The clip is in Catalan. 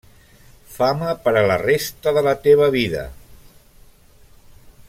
Fama per a la resta de la teva vida!